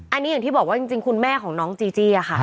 อันนี้อย่างที่บอกว่าจริงคุณแม่ของน้องจีจี้ค่ะ